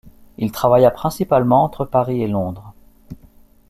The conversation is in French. Il travailla principalement entre Paris et Londres.